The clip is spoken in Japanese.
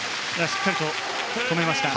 しっかりと止めました。